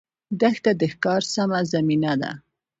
دښته د ښکار سمه زمینه ده.